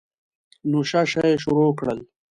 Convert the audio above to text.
نو شه شه یې شروع کړل.